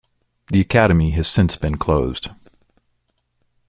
The Academy has since been closed.